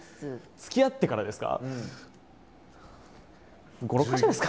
つきあってからですか？